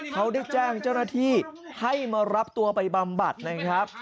เขาได้แจ้งเจ้าหน้าที่ให้มารับตัวไปบำบัดนะครับ